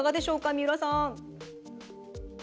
三浦さん。